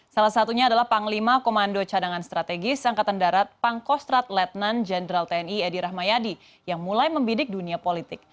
salah satunya adalah panglima komando cadangan strategis angkatan darat pangkostrat letnan jenderal tni edi rahmayadi yang mulai membidik dunia politik